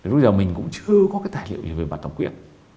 lúc giờ mình cũng chưa có cái tài liệu gì về mặt thập quyết